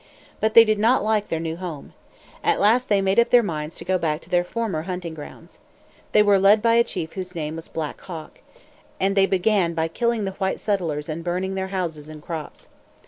But they did not like their new home. At last they made up their minds to go back to their former hunting grounds. They were led by a chief whose name was Black Hawk; and they began by killing the white settlers and burning their houses and crops.